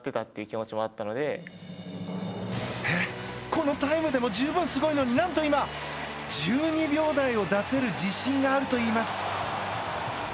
このタイムでも十分すごいのに何と今、１２秒台を出せる自信があるといいます。